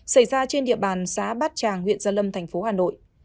xảy ra trên địa bàn xã bát tràng huyện gia lâm thành phố hà nội